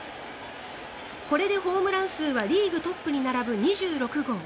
これでホームラン数はリーグトップに並ぶ２６号。